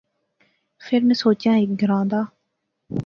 فیر میں سوچیا ہیک گراں دا